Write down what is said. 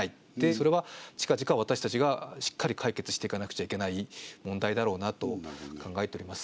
それはちかぢか私たちがしっかり解決していかなくちゃいけない問題だろうなと考えております。